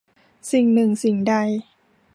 สิ่งหนึ่งสิ่งใด